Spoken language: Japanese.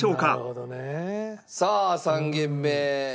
さあ３軒目。